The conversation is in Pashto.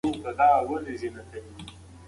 ماشوم د کوټې په یوه تیاره کونج کې کېناست.